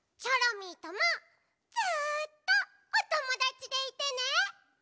チョロミーともずっとおともだちでいてね！